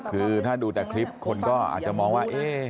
คือถ้าดูจากคลิปคนก็อาจจะมองว่า